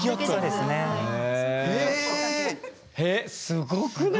すごくない？